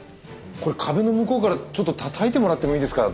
これ壁の向こうからちょっとたたいてもらってもいいですか？